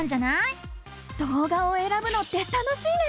動画をえらぶのって楽しいね！